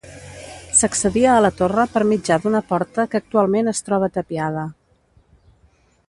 S'accedia a la torre per mitjà d'una porta que actualment es troba tapiada.